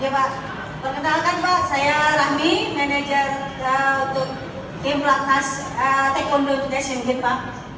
pak perkenalkan pak saya rahmi manager tim platas tekondo indonesia